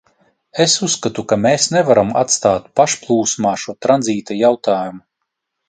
Es uzskatu, ka mēs nevaram atstāt pašplūsmā šo tranzīta jautājumu.